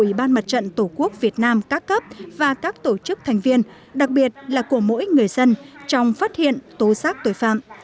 ủy ban mặt trận tổ quốc việt nam các cấp và các tổ chức thành viên đặc biệt là của mỗi người dân trong phát hiện tố xác tội phạm